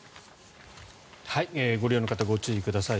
ご利用の方ご注意ください。